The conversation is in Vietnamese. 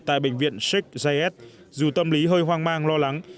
tại bệnh viện sheikh zayed dù tâm lý hơi hoang mang lo lắng